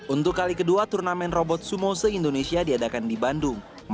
untuk kali kedua turnamen robot sumo se indonesia diadakan di bandung